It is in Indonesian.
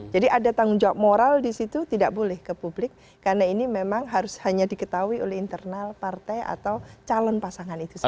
jadi ada tanggung jawab moral di situ tidak boleh ke publik karena ini memang harus hanya diketahui oleh internal partai atau calon pasangan itu sendiri